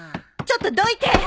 ちょっとどいて！